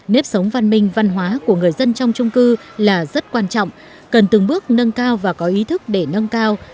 nếp sống văn minh văn hóa của người dân trong trung cư là rất quan trọng cần từng bước nâng cao và có ý thức để nâng cao